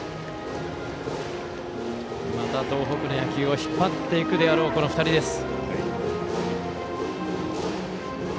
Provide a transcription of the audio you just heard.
東北の野球を引っ張っていくであろう２人です。